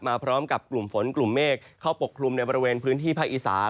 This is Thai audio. พร้อมกับกลุ่มฝนกลุ่มเมฆเข้าปกคลุมในบริเวณพื้นที่ภาคอีสาน